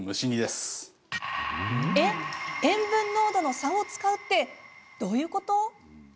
塩分濃度の差を使うってどういうこと？